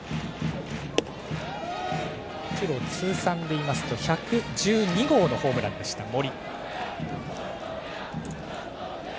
プロ通算で言いますと１１２号のホームランだった森。